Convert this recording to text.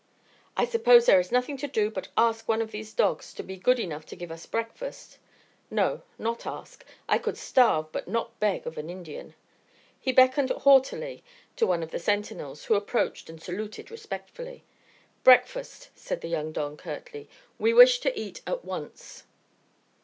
"I suppose there is nothing to do but ask one of these dogs to be good enough to give us breakfast no, not ask. I could starve, but not beg of an Indian." He beckoned haughtily to one of the sentinels, who approached and saluted respectfully. "Breakfast," said the young don, curtly. "We wish to eat at once."